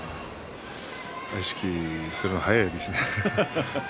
意識するの、早いですね。